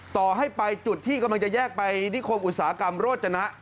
ต่อให้ไปจุดที่กำลังจะแยกไปนิคมอุตสาหกรรมโรจนะ